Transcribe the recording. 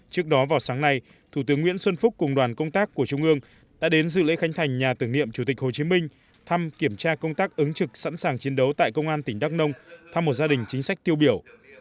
trước đó vào sáng nay thủ tướng nguyễn xuân phúc cùng đoàn công tác của trung ương đã đến dự lễ khánh thành nhà tưởng niệm chủ tịch hồ chí minh thăm kiểm tra công tác ứng trực sẵn sàng chiến đấu tại công an tỉnh đắk nông thăm một gia đình chính sách tiêu biểu